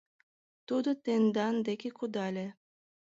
— Тудо тендан деке кудале.